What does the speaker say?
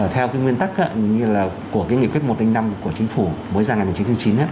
theo cái nguyên tắc của cái nghị quyết một năm của chính phủ mới ra ngày một nghìn chín trăm chín mươi chín